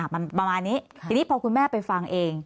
มันประมาณนี้ทีนี้พอคุณแม่ไปฟังเอง